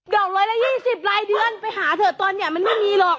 ดอกร้อยละ๒๐ไร้เดือนไปหาเถอะตอนยะมันไม่มีหรอก